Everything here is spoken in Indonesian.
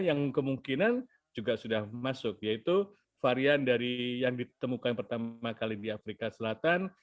yang kemungkinan juga sudah masuk yaitu varian dari yang ditemukan pertama kali di afrika selatan